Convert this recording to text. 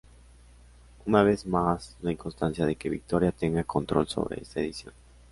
Una vez más, no hay constancia de que Victoria tenga control sobre esta edición.